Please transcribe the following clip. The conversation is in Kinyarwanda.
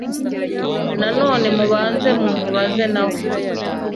Na none mubanze mumubaze nawe